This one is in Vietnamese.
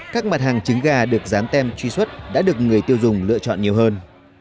các mặt hàng trứng gà được rán tem truy xuất đã được người tiêu dùng lựa chọn nhiều hơn